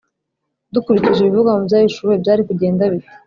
Dukurikije ibivugwa mu byahishuwe byari kugenda bite